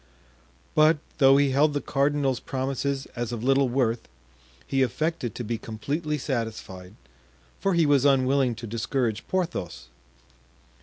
But, though he held the cardinal's promises as of little worth, he affected to be completely satisfied, for he was unwilling to discourage Porthos.